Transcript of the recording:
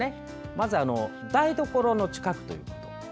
まず、台所の近くということ。